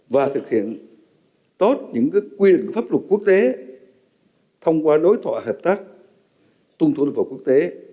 và thực hiện tốt những quy định pháp luật quốc tế thông qua đối thoại hợp tác tuân thủ lực pháp quốc tế